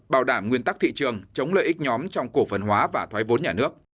bảo đảm nguyên tắc thị trường chống lợi ích nhóm trong cổ phần hóa và thoái vốn nhà nước